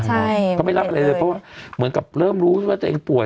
ใช่เขาไม่รับอะไรเลยเพราะว่าเหมือนกับเริ่มรู้ว่าตัวเองป่วย